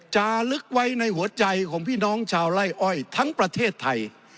จะลึกไว้ในหัวใจของพี่น้องชาวไล่อ้อยทั้งประเทศไทย